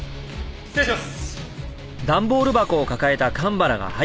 失礼します。